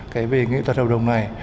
cái về nghệ thuật hậu đồng này